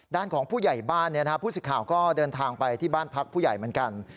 ด้านของผู้ใหญ่บ้านผู้สิทธิ์ข่าวก็เดินทางไปที่บ้านพักผู้ใหญ่เหมือนกัน